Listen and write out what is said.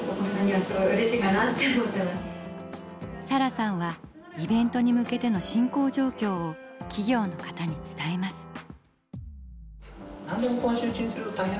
サラさんはイベントに向けての進行状況を企業の方に伝えます。